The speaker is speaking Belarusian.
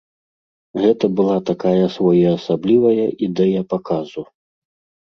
Гэта была такая своеасаблівая ідэя паказу.